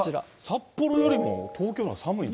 札幌よりも東京のほうが寒いの？